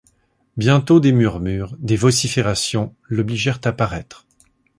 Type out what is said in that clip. Bientôt des murmures, des vociférations, l’obligèrent à paraître.